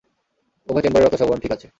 উভয় চেম্বারে রক্ত সংবহন ঠিক আছে।